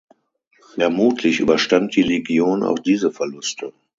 Vermutlich überstand die Legion auch diese Verluste.